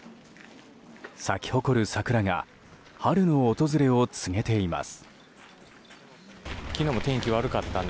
咲き誇る桜が春の訪れを告げています。